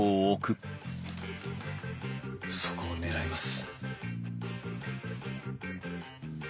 そこを狙います。